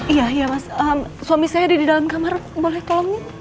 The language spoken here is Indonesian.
iya iya mas suami saya ada di dalam kamar boleh kolongin